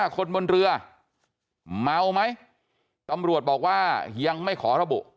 คนบนเรือเมาไหมตำรวจบอกว่ายังไม่ขอระบุ